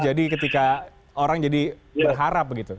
jadi ketika orang jadi berharap begitu